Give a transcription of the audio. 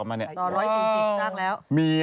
นั่นสิ